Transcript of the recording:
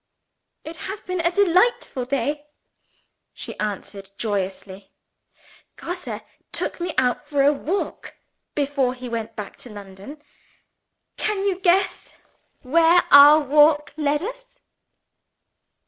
"It has been a delightful day," she answered joyously. "Grosse took me out for a walk, before he went back to London. Can you guess where our walk led us?"